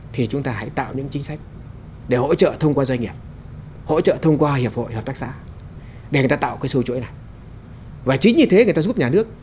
từng cái doanh nghiệp